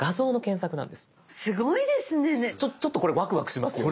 ちょっとこれワクワクしますよね！